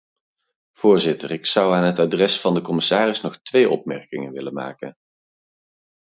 Voorzitter, ik zou aan het adres van de commissaris nog twee opmerkingen willen maken.